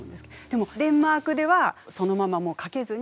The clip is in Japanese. でもデンマークではそのままかけずに。